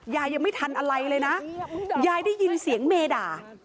ยังไม่ทันอะไรเลยนะยายได้ยินเสียงเมด่า